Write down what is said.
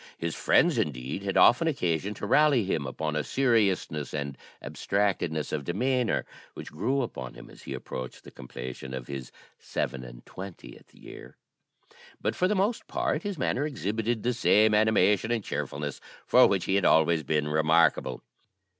His friends, indeed, had often occasion to rally him upon a seriousness and abstractedness of demeanour, which grew upon him as he approached the completion of his seven and twentieth year, but for the most part his manner exhibited the same animation and cheerfulness for which he had always been remarkable.